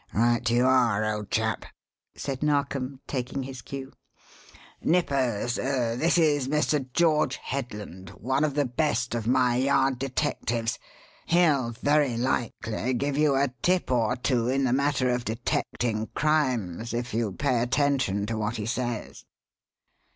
"Right you are, old chap," said Narkom, taking his cue. "Nippers, this is Mr. George Headland, one of the best of my Yard detectives. He'll very likely give you a tip or two in the matter of detecting crimes, if you pay attention to what he says."